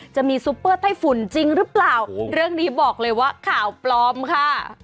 ซุปเปอร์ไต้ฝุ่นจริงหรือเปล่าเรื่องนี้บอกเลยว่าข่าวปลอมค่ะ